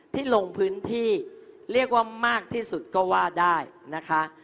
ที่ลงพื้นที่เรียกว่ามากที่สุดก็ว่าได้นะคะ